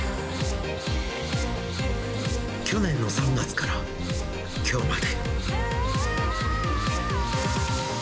去年の３月からきょうまで。